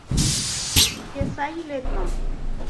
Шке сай илет мо?